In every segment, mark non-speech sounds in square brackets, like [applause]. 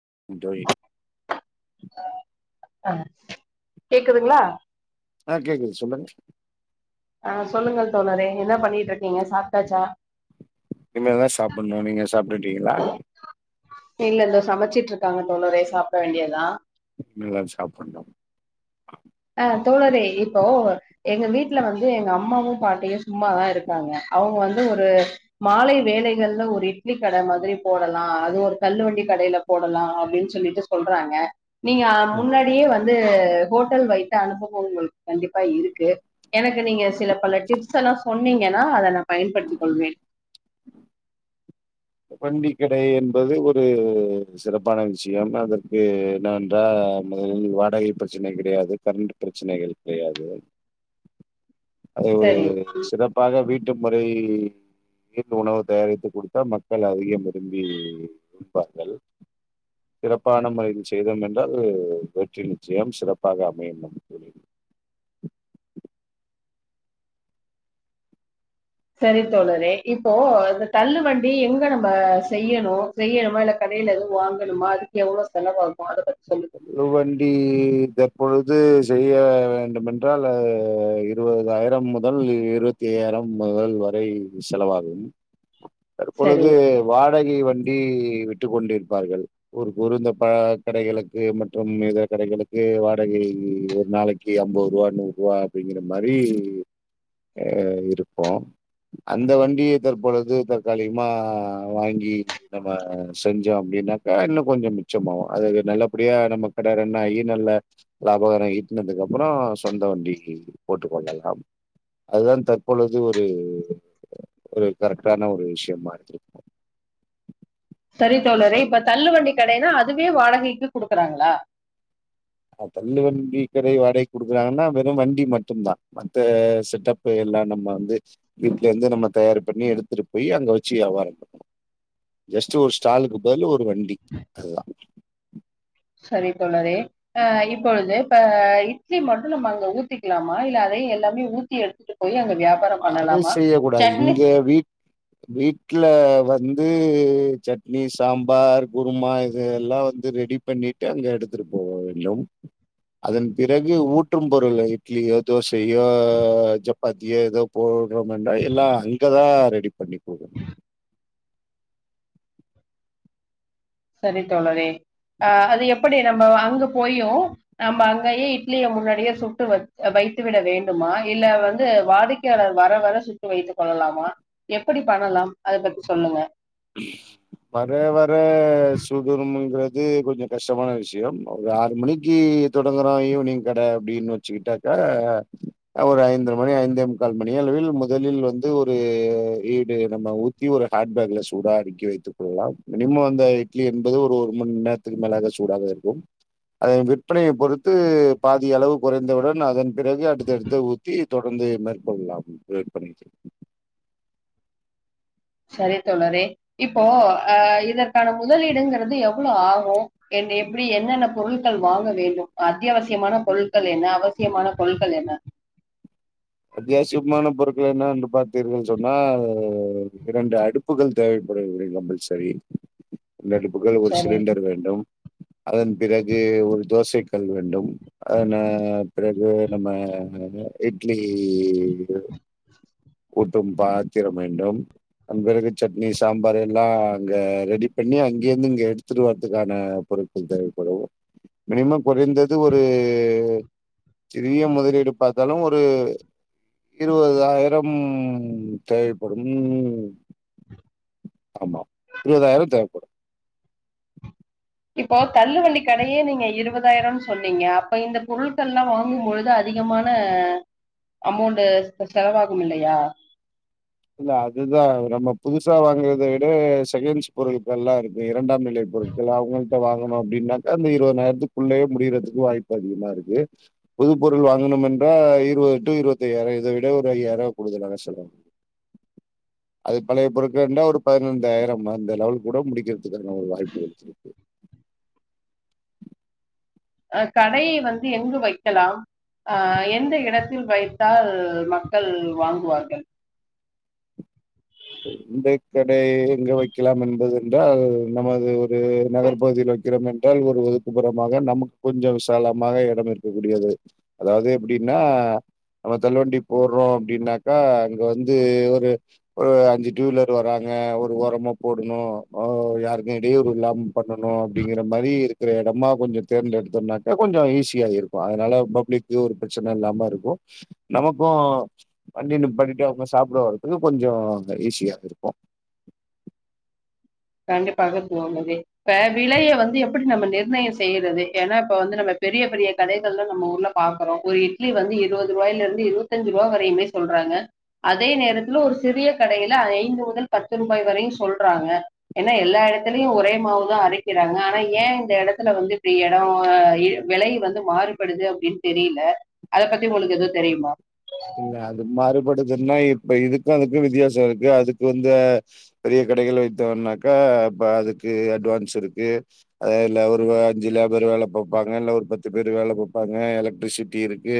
[unintelligible] ஆ கேக்குதுங்ளா ஆ கேக்குது சொல்லுங்க ஆ சொல்லுங்கள் தோழரே என்ன பண்ணியிட்ருக்கீங்க சாப்ட்டாச்சா இனிமேத சாப்புண்ணு நீங்க சாப்ட்டு டீங்களா இல்லல்ல சமச்சிட்ருக்காங்க தோழரே சாப்ட வேண்டியதா இனிமே தா சாப்படனு அ தோழரே இப்போ எங்க வீட்ல வந்து எங்க அம்மாவு பாட்டியு சும்மாதா இருக்காங்க அவுங்க வந்து ஒரு மாலை வேலைகள்ல ஒரு இட்லி கட மாதிரி போடலா அது ஒரு தள்ளு வண்டி கடைல போடலா அப்டின் சொல்லிட்டு சொல்றாங்க நீங்க அ ம். முன்னாடியே வந்து து ஹோட்டல் வை த்த அனுபவோ உங்களுக்கு கண்டிப்பா இருக்கு எனக்கு நீங்க சில பல டிப்ஸல்லா சொன்னீங்கனா அத நா பயன்படுத்திக் கொள்வே வண்டிகட என்பது ஒரு சிறப்பான விஷயம் அதற்கு என்னவென்றால் முதலில் வாடகை பிரச்சனை கிடையாது கரண்ட் பிரச்சனைகள் கிடையாது அது ஒரு சரிங்க சிறப்பாக வீட் ட்டு முறை வீட்டு உணவு தயாரித்து குடுத்தா மக்கள் அதிகம் விரும்பி உண்பார்கள் சிறப்பான முறையில் செய்தோம் என்றால் வெற்றி நிச்சயம் சிறப்பாக அமையும் தோழி சரித்தோழரே இப்போ இந்த தள்ளு வண்டி எங்க நம்ம செய்யணு செய்யணுமா இல்ல கடையில எதுவு வாங்கணுமா அதுக்கு எவ்ளோ செலவாகும் அத பத்தி சொல்லு தள்ளுவண்டி தற்பொழுது செய்ய வேண்டுமென்றால் இருபது ஆயிரம் முதல் இருவத்தி ஐயாயிரம் முதல் வரை செலவாகும் சரி. தற்பொழுது வாடகை வண்டி விட்டுக் கொண்டிருப்பார்கள் ஒரு [unintelligible] கடைகளுக்கு மற்றும் இதர கடைகளுக்கு வாடகை ஒரு நாளைக்கு அம்பது ரூபா நூறு ரூபா அப்டிங்கிற மாரி இருக்கு அந்த வண்டிய தற்பொழுது தற்காலிகமா வாங்கி நம்ம செஞ்சோ அப்டின்னாக்கா இன்னு கொஞ்சோ மிச்சம் ஆவும் அதுல நல்ல அப்டியா நம்ம கட ரன் ஆயி நல்ல லாபகாரம் ஈட்டுனதுக்கு அப்பறம் சொந்த வண்டி போட்டுக் கொள்ளலாம் அதுதான் தற்பொழுது ஒரு ஒரு கரெக்டான ஒரு விஷயமா இருந்திருக்கும் சரி தோழரே இப்ப தள்ளு வண்டி கடைன்னா அதுவே வாடகைக்கு குடுக்குறாங்களா தள்ளு வண்டி கடை வாடகை குடுக்குறாங்கன்னா வெறும் வண்டி மட்டும்தா மத்த செட்டப்பு எல்லா நம்ம வந்து வீட்லயிருந்து நம்ம தயார் பண்ணி எடுத்துட்டு போய் அங்க வெச்சு வியாபாரம் பண்ணணு ஜஸ்ட் ஒரு ஸ்டாலுக்கு பதில் ஒரு வண்டி அது தா சரி தோழரே இப்பொழுது இப்ப இட்லி மட்டு நம்ம அங்க ஊத்திக்கலாமா இல்ல அதே எல்லாமே ஊத்தி எடுத்துட்டு போய் அங்க வியாபாரம் அது பண்ணலாமா? செய்ய கூடாது சட்னி இங்க வீட் வீட்ல வந்து சட்னி சாம்பார் குருமா இது எல்லா வந்து ரெடி பண்ணிட்டு அங்க எடுத்துட்டு போக வேண்டும் அதன் பிறகு ஊற்றும் பொருள் இட்லியோ தோசை யோ சப் பாத்தியோ எதோ போடுறோமண்டா எல்லா அங்கதா ரெடி பண்ணி குடு சரி தோழரே அஹ் அது எப்படி நம்ம அங்க போயு நம்ம அங்கயே இட்லிய முன்னாடியே சுட்டு வெச் வைத்து விட வேண்டுமா இல்ல வந்து வாடிக்கையாளர் வர வர சுட்டு வைத்துக் கொள்ளலாமா எப்படி பண்ணலாம் அத பத்தி சொல்லுங்க வர வர சுடுணும்ங்கிறது கொஞ்சம் கஷ்டமான விஷயம் ஒரு ஆறு மணிக்கு தொடங்கறோ ஈவினிங் கட அப்டின்னு வெச்சுக்கிட்டாக்கா ஒரு ஐந்தரை மணி ஐந்தே முக்கால் மணி அளவில் முதலில் வந்து ஒரு ஈடு நம்ம ஊத்தி ஒரு ஹேட் பேக்ல சு சூடா அடுக்கி வைத்துக் கொள்ளலாம் மினிமம் அந்த இட்லி என்பது ஒரு மணி நேரத்துக்கு மேலாக சூடாக இருக்கும் அதன் விற்பனையை பொறுத்து பாதி அளவு குறைந்தவுடன் அதன் பிறகு அடுத்தடுத்து ஊத்தி தொடர்ந்து மேற்கொள்ளலாம் விற்பனைக்கு சரித்தோழரே இப்போ அஹ் இதற்கான முதலீடுங்கிறது எவ்ளோ ஆகும் எப்டி என்னென்ன பொருள்கள் வாங்க வேண்டும் அத்தியாவசியமான பொருட்கள் என்ன அவசியமான பொருட்கள் என்ன அத்தியாவசியமான பொருட்கள் என்ன என்று பாத்தீர்கள் என்று சொன்னா இரண்டு அடுப்புகள் தேவைப்படும் கம்பல்சரி ரெண்டு அடுப்புகள் ஒரு சரி சிலிண்டர் வேண்டும் அதன் பிறகு ஒரு தோசை கல் வேண்டும் அதன் பிறகு நம்ம எக் [unintelligible] ஊத்தும் பாத்திரம் வேண்டும் அதன் பிறகு சட்னி சாம்பார் எல்லா அங்க ரெடி பண்ணி அங்கிருந்து இங்க எடுத்துட்டு வரதுக்கான பொருட்கள் தேவைப்படும் மினிமம் குறைந்தது ஒரு சிறிய முதலீடு பாத்தாலு ஒரு ஒரு இருபதாயிரம் தேவைப்படும் ஆமா இருபதாயிரம் தேவைப்படும் இப்போ தள்ளுவண்டி கடையே நீங்க இருபதாயிரம்னு சொன்னீங்க அப்ப இந்த பொருட்கள் எல்லா வாங்கும் பொழுது அதிகமான அமௌண்ட் செலவாகும் இல்லயா இல்ல அதுதா நம்ம புதுசா வாங்குறத விட செகண்ட்ஸ் பொருட்கள் எல்லா இருக்கு இரண்டாம் நிலை பொருட்கள் அவங்கள்ட வாங்குணோ அப்டின்னாக்கா அந்த இருபதாயிரத்துக்குள்ளயே முடியறதுக்கு வாய்ப்பு அதிகமா இருக்கு புது பொருள் வாங்கணும் என்றால் இருபது டு இருபத்த ஐயாயிரம் இத விட ஒரு ஐயாயிரம் கூடுதலன செலவு அது பழைய பொருக்கண்டா ஒரு பதினைந்தாயிரம் அந்த லெவல் குட முடிக்கிறதுக்கான ஒரு வாய்ப்புகள்ச்சிருக்கு அ கடைய் வந்து எங்கு வைக்கலாம் அ எந்த இடத்தில் வைத்தால் மக்கள் வாங்குவார்கள் இந்த கடை எங்க வைக்கலாம் என்பது என்றால் நமது ஒரு நகர்ப்பகுதியில் வைக்கிறோம் என்றால் ஒரு ஒதுக்குப்புறமாக நமக் கொஞ்சோம் விசாலமாக எடம் இருக்கக்கூடியது அதாவ்து எப்புடின்னா நம்ம தள்ளுவண்டி போடுறோம் அப்புடின்னாக்கா நீங்க வந்து ஒரு ஒரு அஞ்சு டூலர் வரா ங்க ஒரு ஓரமா போடுணும் யாருக்கும் இடயூறு இல்லாம பண்ணணும் அப்டிங்கிற மாரி இருக்கிற எடமா கொஞ்ச தேர்ந்தெடுத்தோம்னாக்க கொஞ்சோம் ஈஸி யியா இருக்கும் அதனால பப்ளிக் ஒரு பிரச்சன இல்லாம இருக்கும் நமக்கும் வண்டிய நிப்பாட்டிட்டு அவுங்க சாப்புட வர்துக்கு கொஞ் ஜோ ஈசியா இருக்கும் கண்டிப்பாக தோணுது இப்ப விலய வந்து எப்படி நம்ம நிர்ணயம் செய்றது ஏன்னா இப்ப வந்து நம்ம பெரிய பெரிய கடைகள்லாம் நம்ம ஊர்ல பாக்குறோம் ஒரு இட்லி வந்து இருபது ரூபாய்லயிருந்து இருபத்தஞ்சு ரூபாய் வரையுமே சொல்றாங்க அதே நேரத்துல ஒரு சிறிய கடையில ஐந்து முதல் பத்து ரூபாய் வரையும் சொல்றாங்க ஏன்னா எல்லா எடத்துலயும் ஒரேமாவதா அரைக்கிறாங்க ஆனா ஏன் இந்த எடத்துல வந்து இப்டி எடம் வெலை வந்து மாறுபடுது அப்டின் தெரியில அத பத்தி உங்களுக்கு எது தெரியுமா இல்ல அது மாறுபடுதுன்னா எப் இப்போ இதுக்கும் அதுக்கும் வித்தியாசம் ருக்கு அதுக்கு வந்து பெரிய கடைகள் வைத்தோனாக்கா இப்ப அதுக்கு அட்வான்ஸ் இருக்கு அத இல்ல ஒரு ஜி லேபர் வேலப்பாங் மேல ஒரு பத்து பேர் வேல பப்பாங்க எலக்ட்ரிசிட்டி இருக்கு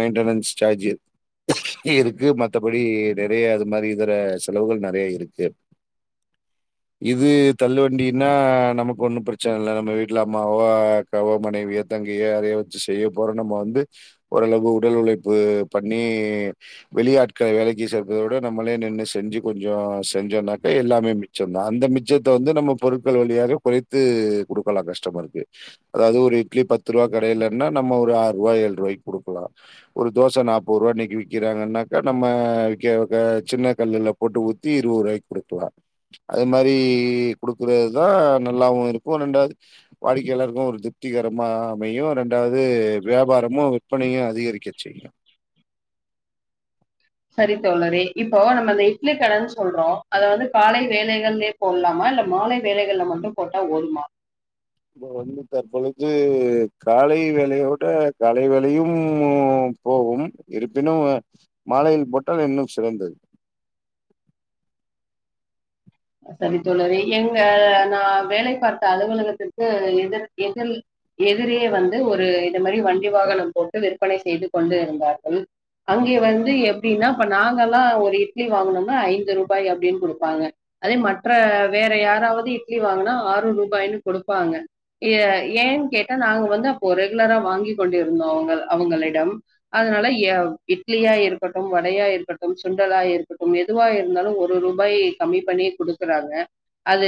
மெயின்டனன்ஸ் சார்ஜ் இருக் இருக்கு மத்தபடி நெறைய அது மாதிரி இதர செலவுகள் நெறைய இருக்கு இது தள்ளு வண்டினா நமக்கு ஒன்னு பிரச்சன இல்ல நம்ம வீட்ல அம்மாவோ அக்காவோ மனைவியோ தங்கையோ யாரயோ வெச்சு செய்ய போறோ நம்ம வந்து ஓரளவு உடல் உழைப்பு பண்ணி வெளி ஆட்கள வேலைக்கு சேர்க்கறத விட நம்மளே நின்னு செஞ்சு கொஞ்ச செஞ்சோனாக்க எல்லாமே மிச்சந்தா அந்த மிச்சத்த வந்து நம்ம பொருட்கள் வழியாக குறைத்து கொடுக்கலா கஸ்டமருக்கு அதாவது ஒரு இட்லி பத்து ருவா கடயிலன்னா நம்ம ஒரு ஆறுவா ஏழ்ருவாய்க்கு குடுக்கலா ஒரு தோச நாப் பது ருவா இன்னைக்கு விக்கிறாங்கன்னாக்கா நம்ம வி க சின்ன கல்லுல போட்டு ஊத்தி இருவது ருவாய்க்கு குடுக்கலா அது மாரி குடுக்குறதுதா நல்லாவு இருக்கு ரெண்டாது வாடிக்கையாளாருக்கு ஒரு திருப்திகரமா அமையு ரெண்டாவுது வியாபாரமு விற்பனையு அதிகரிக்க செய்யு செரி தோழரே இப்போ நம்ம அந்த இட்லி கடன் சொல்றோ அத வந்து காலை வேலைகள்லே போடலாமா இல்ல மாலை வேலைகள்ல மட்டு போட்டா ஒடுமா இப்ப வந்து தற்பொழுது காலை வேலையோட காலை வேலையும் போகும் இருப்பினும் மாலையில் போட்டால் இன்னும் சிறந்தது சரி தோழரே எங்க நா வேலை பார்த்த அலுவலகத்துக்கு எதிர் எதிர் எதிரே வந்து ஒரு இந்த மாரி வண்டி வாகனம் போட்டு விற்பனை செய்து கொண்டு இருந்தார்கள் அங்கே வந்து எப்டின்னா இப்ப நாங் கலா ஒரு இட்லி வாங்குனோனா ஐந்து ரூபாய் அப்டின்னு குடுப்பாங்க அதே மற்ற வேற யாராவது இட்லி வாங்குனா ஆறு ரூபாயுனு குடுப்பாங்க ஏ ஏன் கேட்டா நாங்க வந்து அப்போ ரெகுலரா வாங்கி கொண்டிருந்தோ அவங்க அவங்களிடம் அதனால எ இட்லியா இருக்கட்டும் வடையா இருக்கட்டும் சுண்டலா இருக்கட்டும் எதுவா இருந்தாலும் ஒரு ரூபாய் கம்மி பண்ணி குடுக்கறாங்க அது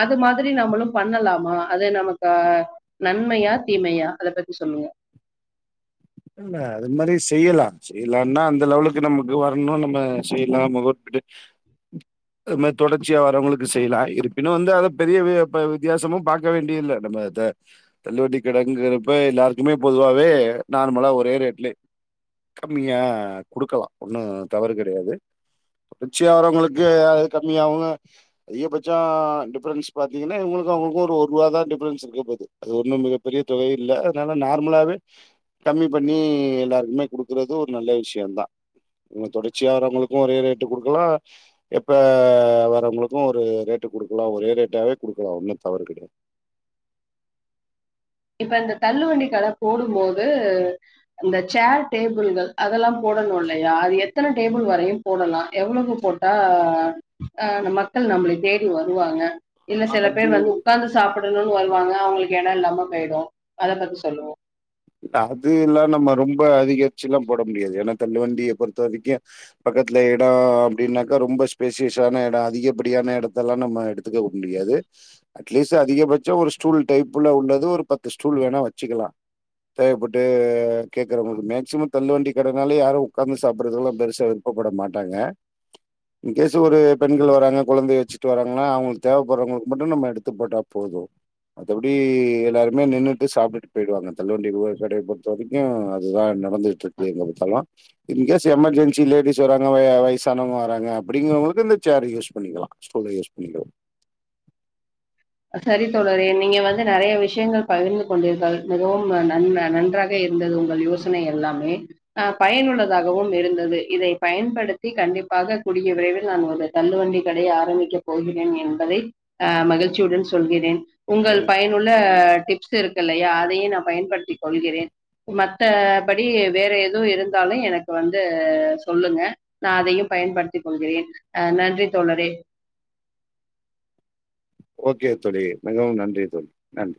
அது மாதிரி நம்மளும் பண்ணலாமா அது நமக்கு நன்மையா தீமையா அத பத்தி சொல்லுங்க இல்ல அது மாரி செய்யலா செய்யலான்னா அந்த லெவலுக்கு நமக்கு வரணு நம்ம செய்லாம் அத உட்டுட்டு அது மாரி தொடர்ச்சியா வரவங்களுக்கு செய்யலா இருப்பினும் வந்து அத பெரிய வி ப வித்தியாசமு பாக்க வேண்டிய இல்லை நம்ம த தள்ளுவட்டி கடைங்குறப்ப எல்லாருக்குமே பொதுவாவே நார்மலா ஒரே ரேட்லே கம்மியா குடுக்கலா ஒன்னு தவறு கெடையாது தொடர்ச்சியா வரவங்களுக்கு அது கம்மியாவு அதிகபட்ச டிஃபரென்ஸ் பாத்திங்கன்னா இவங்களுக்கு அவங்களுக்கு ஒரு ஒர்வாதா டிஃபரன்ஸ் இருக்க போகுது அது ஒன்னு மிகப்பெரிய தொகை இல்ல அதனால நார்மலாவே கம்மி பண்ணி எல்லாருக்குமே குடுக்குறது ஒரு நல்ல விஷயந்தா இது தொடர்ச்சியா வரவங்களுக்கு ஒரே ரேட்டு குடுக்கலா எப்ப வர்றவங்களுக்கு ஒரு ரேட்டு குடுக்கலா ஒரே ரேட்டாவே குடுக்கலா ஒன்னு தவறு கெடையாது இப்ப இந்த தள்ளுவண்டி கட போடும் போது இந்த சேர் டேபிள்கள் அதெல்லா போடணு இல்லையா அது எத்தனை டேபிள் வரையு போடலா எவ்வளவு போட்டா அ மக்கள் நம்மளை தேடி வருவாங்க இல்ல சில ஆ. பேர் வந்து உக்கார்ந்து சாப்பிடணுன் வருவாங்க அவங்களுக்கு எட இல்லாம போயிடு அத பத்தி சொல்லுவோ அது எல்லா நம்ம ரொம்ப அதிகரிச்செல்லா போட முடியாது ஏன்னா தள்ளு வண்டிய பொறுத்த வரைக்கு பக்கத்துல எட அப்டின்னாக்கா ரொம்ப ஸ்பேசியஸான எட அதிகப்படியான எடத்த எல்லா நம்ம எடுத்துக்க முடியாது அட்லீஸ்ட் அதிகபட்ச ஒரு ஸ்டூல் டைப்ல உள்ளது ஒரு பத்து ஸ்டூல் வேணா வெச்சுக்கலா தேவப்பட்டு கேக்கறவங்களுக்கு மேக்சிமம் தள்ளு வண்டி கடனாலே யாரு உக்காந்து சாப்படுறதுல்ல பெருசா விருப்பப்பட மாட்டாங்க இன்கேஸ் ஒரு பெண்கள் வராங்க குழந்தைய வெச்சுட்டு வராங்களா அவங்களுக்கு தேவப்படுறவங்களுக்கு மட்டு நம்ம எடுத்து போட்டா போது மத்தபடி எல்லாருமே நின்னுட்டு சாப்ட்டுட்டு போயிடுவாங்க தல்லு வண்டி ஒவ்வொரு கடய பொறுத்த வரைக்கு அதுதா நடந்துட்டு இருக்கு எங்க பாத்தாலு இன்கேஸ் எமர்ஜென்சி லேடிஸ் வராங்க வய வயசானவங்க வராங்க அப்படிங்கறபொழுது இந்த சேர் யூஸ் பண்ணிக்கலா ஸ்டூல யூஸ் பண்ணிக்க சரி தோழரே நீங்க வந்து நறைய விஷயங்கள் பகிர்ந்து கொண்டீர்கள் மிகவும் ந நன் நன்றாக இருந்தது உங்கள் யோசனை எல்லாமே அ பயனுள்ளதாகவும் இருந்தது இத பயன்படுத்தி கண்டிப்பாக கூடிய விரைவில் நான் ஒரு தள்ளுவண்டி கடைய ஆரம்பிக்கப் போகிறேன் என்பதை அ மகிழ் ச்சியுடன் சொல்கிறேன் உங்கள் எங் பயனுள்ள எங் டிப்ஸ் இருக்குல்ல யாரையு நா பயன்படுத்திக் கொள்கிறேன் மத்த படி வேற எது இருந்தாலு எனக்கு வந்து சொல்லுங்க நா அதையு பயன்படுத்திக் கொள்கிறேன் அ நன்றி தோழரே ஓகே தோழி மிகவும் நன்றி தோழி நன்